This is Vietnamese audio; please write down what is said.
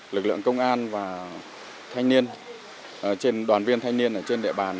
lực lượng công an và thanh niên trên đoàn viên thanh niên ở trên địa bàn